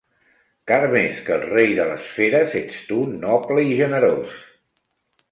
Car més que el rei de les feres, ets tu noble i generós.